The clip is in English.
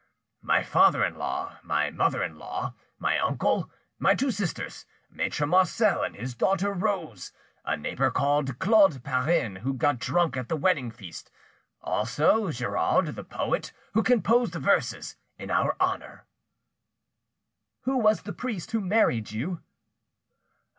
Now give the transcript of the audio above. "My father in law, my mother in law, my uncle, my two sisters, Maitre Marcel and his daughter Rose; a neighbour called Claude Perrin, who got drunk at the wedding feast; also Giraud, the poet, who composed verses in our honour." "Who was the priest who married you?"